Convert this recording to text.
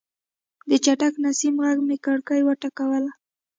د چټک نسیم غږ مې کړکۍ وټکوله.